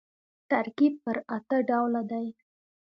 ترکیب پر اته ډوله دئ.